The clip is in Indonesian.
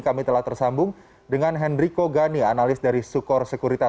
kami telah tersambung dengan henry kogani analis dari sukor sekuritas